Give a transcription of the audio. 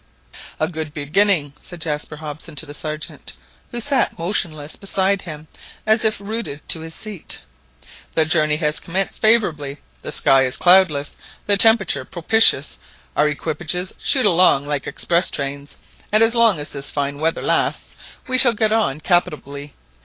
"A good beginning," said Jaspar Hobson to the Sergeant, who sat motionless beside him as if rooted to his seat; "the journey has commenced favourably. The sky is cloudless; the temperature propitious, our equipages shoot along like express trains, and as long as this fine weather lasts we shall get on capitally.